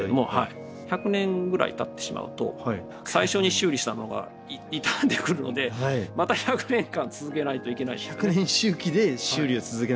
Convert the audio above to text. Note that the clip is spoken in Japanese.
１００年ぐらいたってしまうと最初に修理したのが傷んでくるのでまた１００年間続けないといけない。